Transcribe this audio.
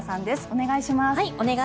お願いします。